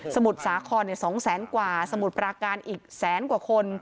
สมุทรสาขน๒๐๐๐๐๐กว่าสมุทรประกันอีก๑๐๐๐๐๐ตัวคน